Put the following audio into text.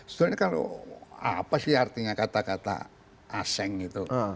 sebenarnya kalau apa sih artinya kata kata aseng itu